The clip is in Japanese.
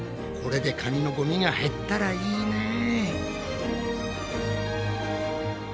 これで紙のゴミが減ったらいいね！